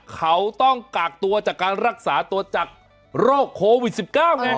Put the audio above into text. เขาต้องกากตัวจากการรักษาตัวจากโรคโควิด๑๙ไง